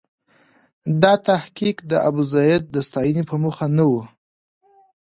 دا تحقیق د ابوزید د ستاینې په موخه نه و.